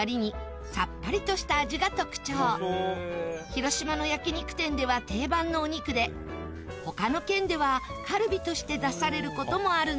広島の焼肉店では定番のお肉で他の県ではカルビとして出される事もあるんです